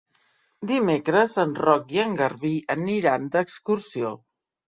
Dimecres en Roc i en Garbí aniran d'excursió.